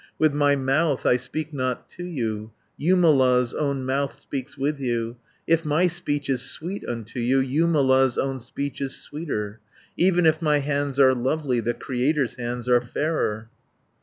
510 With my mouth I speak not to you; Jumala's own mouth speaks with you, If my speech is sweet unto you, Jumala's own speech is sweeter. Even if my hands are lovely, The Creator's hands are fairer."